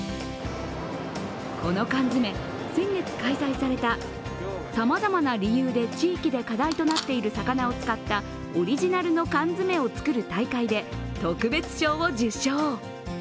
この缶詰、先月開催されたさまざま理由で地域で課題となっている魚を使ったオリジナルの缶詰を作る大会で特別賞を受賞。